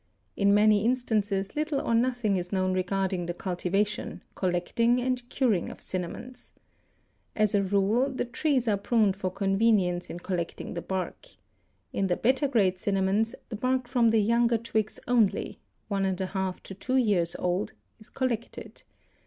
In many instances little or nothing is known regarding the cultivation, collecting and curing of cinnamons. As a rule the trees are pruned for convenience in collecting the bark. In the better grade cinnamons the bark from the younger twigs only (1½ to 2 years old) is collected.